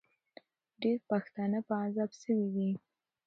ډېر پښتانه په عذاب سوي دي.